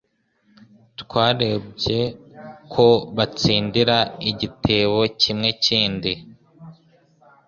Twarebye ko batsindira igitebo kimwekindi